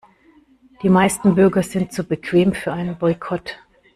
Die meisten Bürger sind zu bequem für einen Boykott.